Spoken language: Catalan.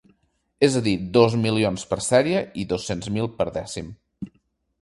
És a dir dos milions per sèrie i dos-cents mil per dècim.